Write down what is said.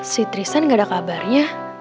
si trisan gak ada kabarnya